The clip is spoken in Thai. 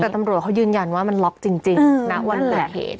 แต่ตำรวจเขายืนยันว่ามันล็อกจริงณวันเกิดเหตุ